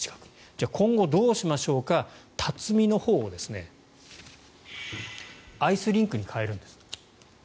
じゃあ、今後どうしましょうか辰巳のほうをアイスリンクに変えるんです。